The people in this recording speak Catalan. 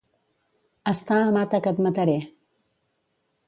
Estar a mata que et mataré.